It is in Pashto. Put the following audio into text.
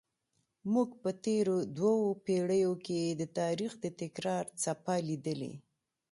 موږ په تېرو دوو پیړیو کې د تاریخ د تکرار څپه لیدلې.